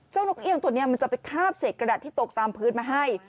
นกเอี่ยงตัวนี้มันจะไปคาบเศษกระดาษที่ตกตามพื้นมาให้